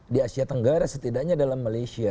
di asia tenggara setidaknya dalam malaysia